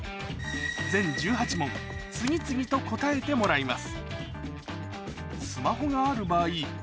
全１８問次々と答えてもらいます